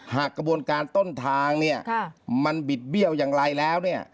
กระบวนการต้นทางเนี่ยมันบิดเบี้ยวอย่างไรแล้วเนี่ย